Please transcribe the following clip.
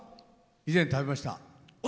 以前、食べました。